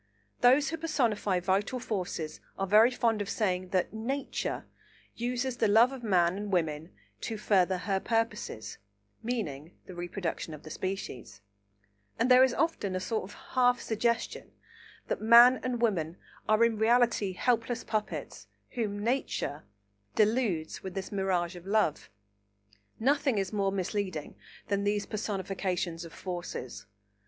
Those who personify vital forces are very fond of saying that "Nature" uses the love of man and woman "to further her purposes" (meaning the reproduction of the species), and there is often a sort of half suggestion that man and woman are in reality helpless puppets whom "Nature" deludes with the mirage of love. Nothing is more misleading than these personifications of forces.